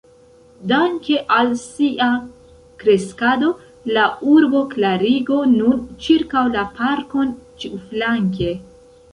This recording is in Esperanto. Danke al sia kreskado, la urbo Kalgario nun ĉirkaŭ la parkon ĉiuflanke.